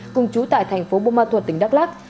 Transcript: cùng chú tại thành phố bô mò thuật